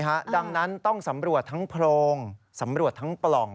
ดังนั้นต้องสำรวจทั้งโพรงสำรวจทั้งปล่อง